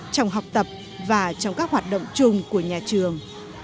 trong học tập và trong các hoạt động chung của nhà trường